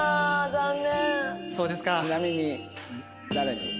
残念。